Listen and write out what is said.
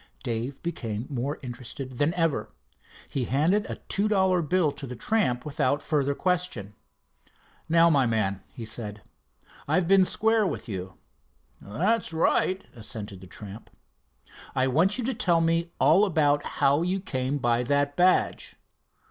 Dave became more interested than ever. He handed a two dollar bill to the tramp without further question. "Now, my man," he said, "I've been square with you." "That's right," assented the tramp. "I want you to tell me all about how you came by that badge."